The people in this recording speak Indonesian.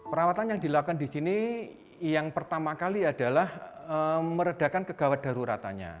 perawatan yang dilakukan di sini yang pertama kali adalah meredakan kegawat daruratannya